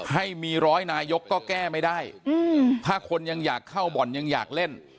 ให้มีร้อยนายกก็แก้ไม่ได้ถ้าคนยังอยากเข้าบ่อนยังอยากเล่น